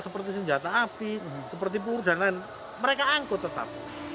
seperti senjata api seperti peluru dan lain mereka angkut tetap